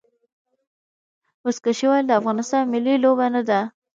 بزکشي ولې د افغانستان ملي لوبه نه ده؟